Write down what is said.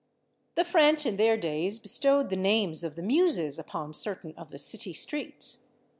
The French, in their days, bestowed the names of the Muses upon certain of the city streets.